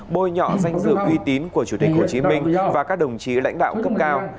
bôi nhọ danh dự uy tín của chủ tịch hồ chí minh và các đồng chí lãnh đạo cấp cao